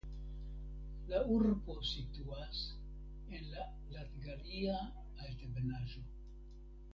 La urbo situas en la Latgalia altebenaĵo.